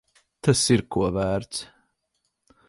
Tas ir ko vērts.